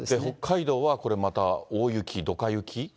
北海道はこれまた大雪、どか雪？